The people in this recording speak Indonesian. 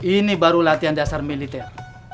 ini baru latihan dasar militer